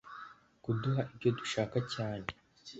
kuduha ibyo dushaka cyane,